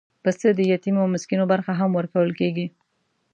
پسه د یتیمو او مسکینو برخه هم ورکول کېږي.